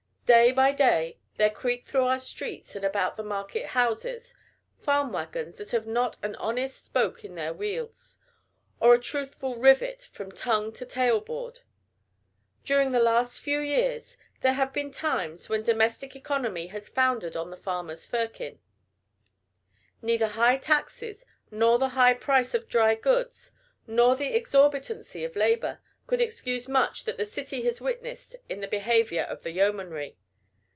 Day by day there creak through our streets, and about the market houses, farm wagons that have not an honest spoke in their wheels, or a truthful rivet from tongue to tail board. During the last few years there have been times when domestic economy has foundered on the farmer's firkin. Neither high taxes, nor the high price of dry goods, nor the exorbitancy of labor, could excuse much that the city has witnessed in the behavior of the yeomanry.